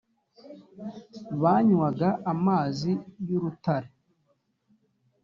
banywaga amazi y urutare